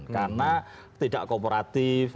karena tidak kooperatif